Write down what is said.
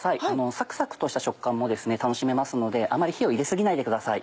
サクサクとした食感も楽しめますのであまり火を入れ過ぎないでください。